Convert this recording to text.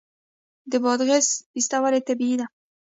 د بادغیس پسته ولې طبیعي ده؟